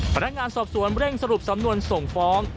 พนักงานสอบสวนเร่งสรุปสำนวนส่งฟ้อง